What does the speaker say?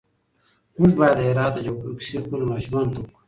موږ بايد د هرات د جګړو کيسې خپلو ماشومانو ته وکړو.